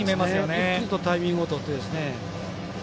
ゆっくりとタイミングをとってですね。